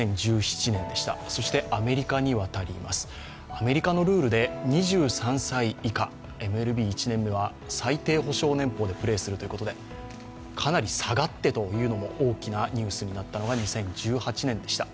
アメリカのルールで２３歳以下、ＭＬＢ１年目は最低保障年俸でプレーするということで、かなり下がってというのも大きなニュースになったのが２０１８年でした。